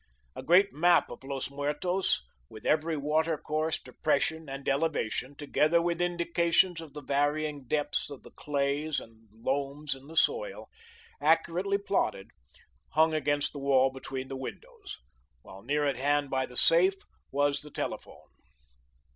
A great map of Los Muertos with every water course, depression, and elevation, together with indications of the varying depths of the clays and loams in the soil, accurately plotted, hung against the wall between the windows, while near at hand by the safe was the telephone.